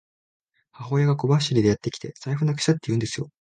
母親が小走りでやってきて、財布なくしたって言うんですよ。